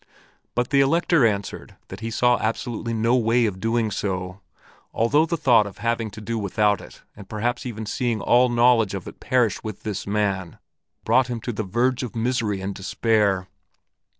But the Elector answered that he saw absolutely no way of doing so, although the thought of having to do without it or perhaps even seeing all knowledge of it perish with this man, brought him to the verge of misery and despair.